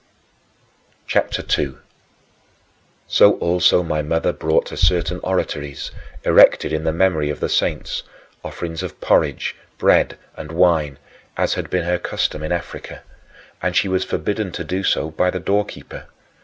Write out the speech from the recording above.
CHAPTER II 2. So also my mother brought to certain oratories, erected in the memory of the saints, offerings of porridge, bread, and wine as had been her custom in Africa and she was forbidden to do so by the doorkeeper [ostiarius].